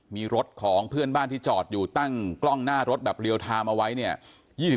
มีรถของเพื่อนบ้านที่จอดอยู่ตั้งกล้องหน้ารถแบบเรียลไทม์เอาไว้เนี่ย